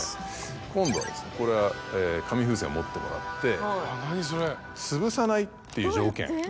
今度はこれ紙風船を持ってもらってつぶさないっていう条件。